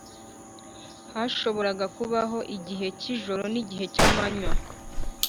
hashoboraga kubaho igihe cy’ijoro n’igihe cy’amanywa.